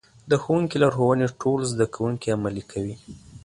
د ښوونکي لارښوونې ټول زده کوونکي عملي کوي.